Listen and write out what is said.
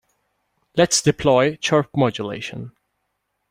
Let's deploy chirp modulation.